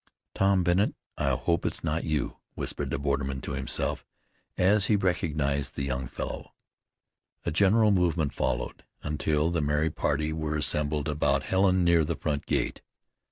"Tom Bennet, I hope it's not you," whispered the borderman to himself, as he recognized the young fellow. A general movement followed, until the merry party were assembled about Helen near the front gate.